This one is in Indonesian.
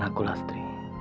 maafkan aku lastri